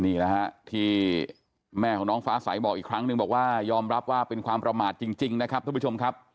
นี่แหละฮะที่แม่ของน้องฟ้าใสบอกอีกครั้งนึงบอกว่ายอมรับว่าเป็นความประมาทจริงนะครับทุกผู้ชมครับ